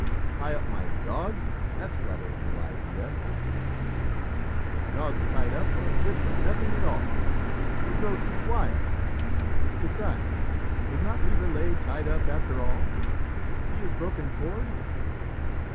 "Tie up my dogs! That's rather a new idea," said the huntsman. "Dogs tied up are good for nothing at all; they grow too wild. Besides, was not Lieverlé tied up, after all? See his broken cord."